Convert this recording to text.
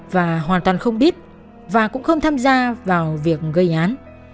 và hoàn toàn không biết và cũng không tham gia vào việc gây án